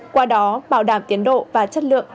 qua đó bảo đảm tiến độ và chất lượng